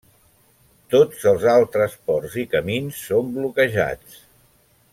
Tots els altres ports i camins són bloquejats.